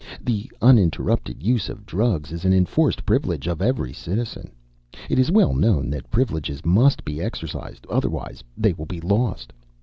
The uninterrupted use of drugs is an enforced privilege of every citizen. It is well known that privileges must be exercised, otherwise they will be lost.